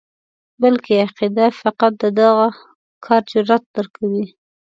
بلکې عقیده فقط د دغه کار جرأت درکوي.